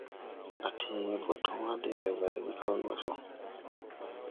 A tee ngel go toŋ la dɛɛre bay wo ɓi kaw ni wa so.